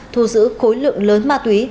thu giữ khối lượng lớn ma túy